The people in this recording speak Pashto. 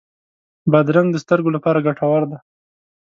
بادرنګ د سترګو لپاره ګټور دی.